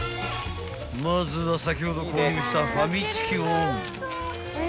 ［まずは先ほど購入したファミチキをオン］